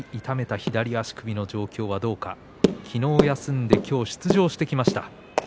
左足首の状況はどうか昨日休んで今日出場してきました。